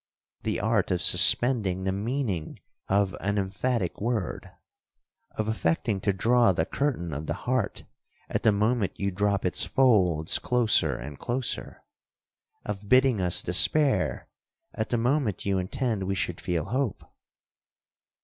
'—the art of suspending the meaning of an emphatic word—of affecting to draw the curtain of the heart at the moment you drop its folds closer and closer—of bidding us despair at the moment you intend we should feel hope!'